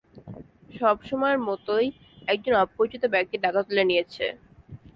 সবসময়ের মতোই, একজন অপরিচিত ব্যক্তি টাকা তুলে নিয়েছে।